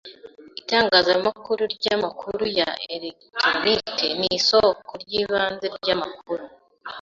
Itangazamakuru ryamakuru ya elegitoronike nisoko ryibanze ryamakuru.